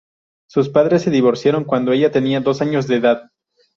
Sus padres se divorciaron cuando ella tenía dos años de edad.